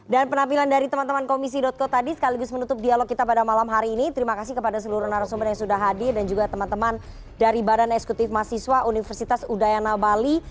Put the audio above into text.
dan penampilan dari teman teman komisi co tadi sekaligus menutup dialog kita pada malam hari ini terima kasih kepada seluruh narasumber yang sudah hadir dan juga teman teman dari badan eksekutif mahasiswa universitas udayana bali